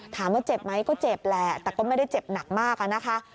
ถามว่าเจ็บไหมก็เจ็บแหละแต่ก็ไม่ได้เจ็บหนักมากอะนะคะ